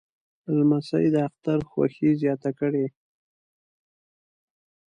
لمسی د اختر خوښي زیاته کړي.